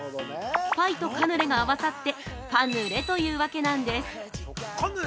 パイとカヌレが合わさってパヌレというわけなんです。